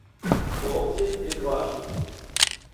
Хлопці відважні.